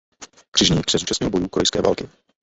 Křižník se zúčastnil bojů korejské války.